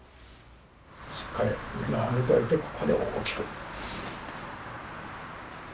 しっかり上に上げておいてここで大きく。